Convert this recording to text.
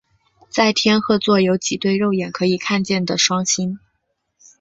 在天鹤座有几对肉眼可以看见的双星。